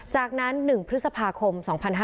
จากนั้น๑พฤษภาคม๒๕๕๙